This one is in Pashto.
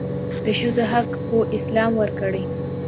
دښځو حق خواسلام ورکړي